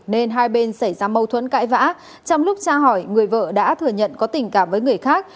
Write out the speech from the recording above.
nên hai bên xảy ra mâu thuẫn cãi vã trong lúc tra hỏi người vợ đã thừa nhận có tình cảm với người khác